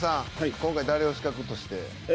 今回誰を刺客として？